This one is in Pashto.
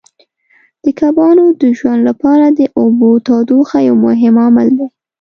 د کبانو د ژوند لپاره د اوبو تودوخه یو مهم عامل دی.